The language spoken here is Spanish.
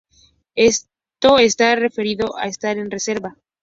Esto está referido a estar en "reserva".